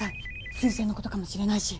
推薦のことかもしれないし